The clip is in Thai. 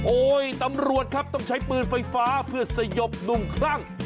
ตำรวจครับต้องใช้ปืนไฟฟ้าเพื่อสยบหนุ่มคลั่ง